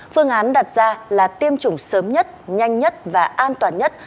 phương án đặt ra là tiêm chủng sớm nhất nhanh nhất và an toàn nhất